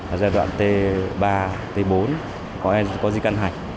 ở giai đoạn t ba t bốn có di căn hạch